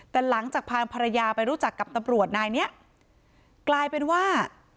แต่หลังจากพาภรรยาไปรู้จักกับตำรวจนายเนี้ยกลายเป็นว่า